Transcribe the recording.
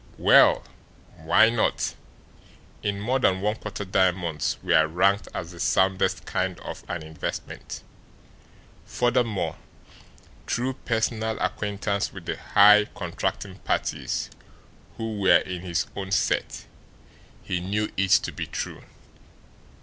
Well, why not? In more than one quarter diamonds were ranked as the soundest kind of an investment. Furthermore, through personal acquaintance with the "high contracting parties," who were in his own set, he knew it to be true.